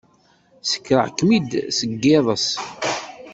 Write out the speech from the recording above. Ssekreɣ-kem-id seg yiḍes?